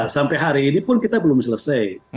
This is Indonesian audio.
sampai hari ini pun kita belum selesai